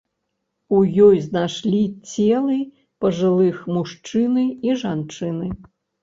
У ёй знайшлі целы пажылых мужчыны і жанчыны.